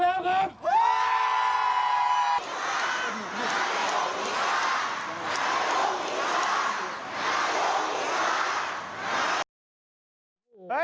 ที่รักขอพิธา